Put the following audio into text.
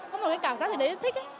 có một cảm giác thấy rất thích